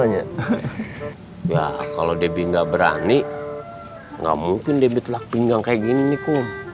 jaa kalau deby nggak berani nggak mungkin deby telah pinggang kegini komma